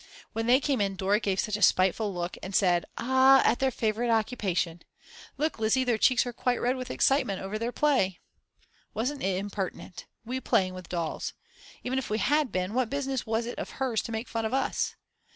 When they came in Dora gave such a spiteful look and said: Ah, at their favourite occupation: look, Lizzi, their cheeks are quite red with excitement over their play. Wasn't it impertinent. We playing with dolls! Even if we had been, what business was it of hers to make fun of us?